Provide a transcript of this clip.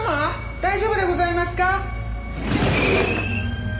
大丈夫でございますか？